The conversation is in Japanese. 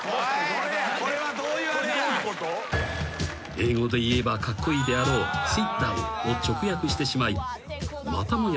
［英語で言えばカッコイイであろう「ｓｉｔｄｏｗｎ」を直訳してしまいまたもや